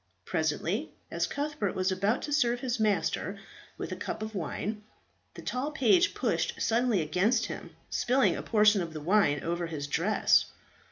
Presently, as Cuthbert was about to serve his master with a cup of wine, the tall page pushed suddenly against him, spilling a portion of the wine over his dress.